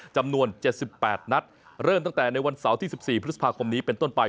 จำนวน๗๘นัดเริ่มตั้งแต่ในวันเสาร์ที่๑๔พฤษภาคมนี้เป็นต้นไป